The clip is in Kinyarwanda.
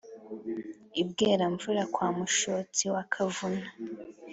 i bweramvura kwa mushotsi wa kavuna